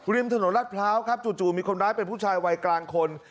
ริมถนนรัฐพร้าวครับจู่มีคนร้ายเป็นผู้ชายวัยกลางคน